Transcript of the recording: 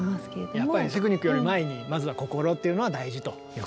やっぱりテクニックより前にまずは心というのが大事と。と思って。